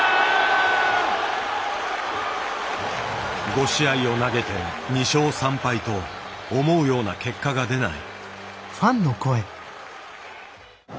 ５試合を投げて２勝３敗と思うような結果が出ない。